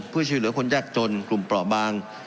เพื่อชีวิตหลัยกคนแยกจนกลุ่มประบาง